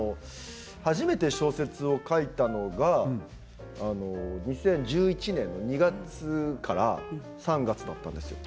初めて小説を書いたのが２０１１年２月から３月だったんですよ。